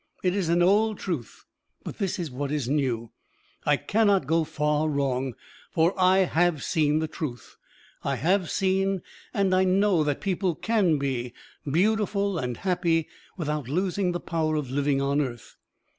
It is an old truth, but this is what is new: I cannot go far wrong. For I have seen the truth; I have seen and I know that people can be beautiful and happy without losing the power of living on earth.